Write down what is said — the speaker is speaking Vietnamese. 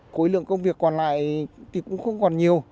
khối lượng công việc còn lại thì cũng không còn nhiều